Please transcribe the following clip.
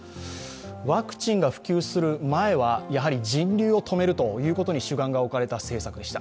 ワクチンが普及する前は人流を止めるということに主眼が置かれた政策でした。